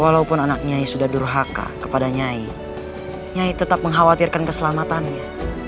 walaupun anaknyai sudah durhaka kepada nyai nyai tetap mengkhawatirkan keselamatannya